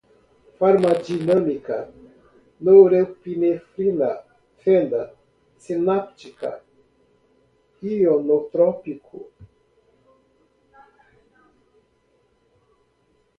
forense, reagente, farmadinâmica, norepinefrina, fenda sináptica, ionotrópico, locomotor